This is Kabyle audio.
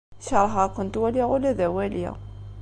Keṛheɣ ad kent-waliɣ ula d awali.